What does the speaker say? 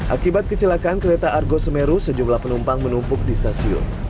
akibat kecelakaan kereta argo semeru sejumlah penumpang menumpuk di stasiun